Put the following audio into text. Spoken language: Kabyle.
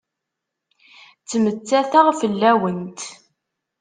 Ttmettateɣ fell-awent.